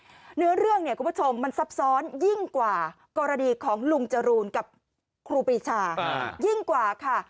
เนื้อเรื่องเนี่ยคุณผู้ชมมันซับซ้อนยิ่งกว่ากรณีของลุงจรูนกับครูปีชายิ่งกว่าค่ะ